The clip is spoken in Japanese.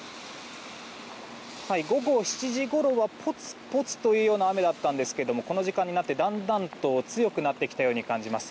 午後７時ごろはぽつぽつという雨だったんですがこの時間になって、だんだんと強くなってきたように感じます。